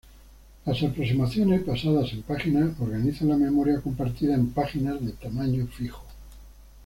Las aproximaciones basadas en páginas organizan la memoria compartida en páginas de tamaño fijo.